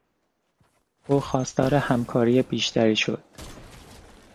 او خواستار همکاری بیشتری شد.